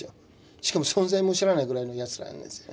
しかも存在も知らないぐらいのやつらなんですね。